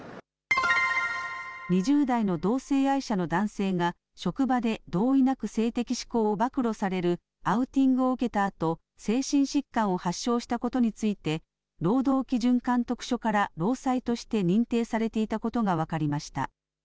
２０代の同性愛者の男性が、職場で同意なく性的指向を暴露されるアウティングを受けたあと、精神疾患を発症したことについて、労働基準監督署から労災として認定されていたことが分かりました。